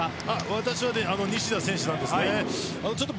私は西田選手なんです。